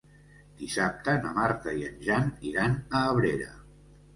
Dissabte na Marta i en Jan iran a Abrera.